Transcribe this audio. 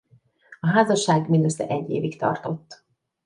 A házasság mindössze egy évig tartott.